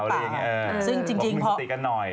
ลองดึงสติกันหน่อย